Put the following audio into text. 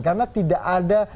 karena tidak ada